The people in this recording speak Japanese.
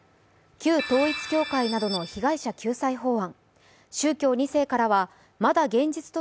旧統一教会などの被害者救済法案。